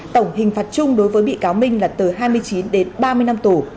tổng hình phạt chung đối với bị cáo minh là từ hai mươi chín đến ba mươi năm tù